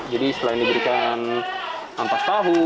jadi selain diberikan ampas tahu